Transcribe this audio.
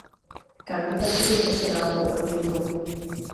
Kandidaturu do senátu odmítl.